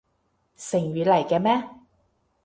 成語嚟嘅咩？